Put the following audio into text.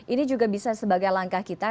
ini juga bisa sebagai langkah kita